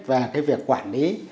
và cái việc quản lý